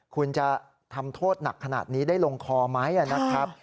คุณจะทำโทษหนักขนาดนี้ได้ลงคอไหมนะครับ